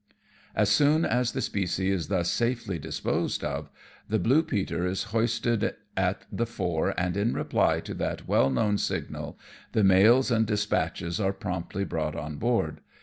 As soon as the specie is thus safely disposed of, the blue peter is hoisted at the fore, and in reply to that well known signal the mails and despatches are promptly brought on board.